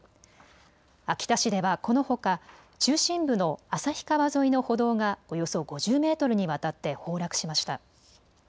秋田市ではこのほか中心部の旭川沿いの歩道が、およそ５０メートルにわたって崩落しました。